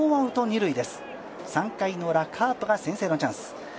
３回のウラ、カープが先制のチャンス。